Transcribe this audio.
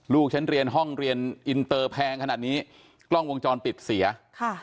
ลูกฉันเรียนห้องเรียนอินเตอร์แพงขนาดนี้กล้องวงจรปิดเสียค่ะ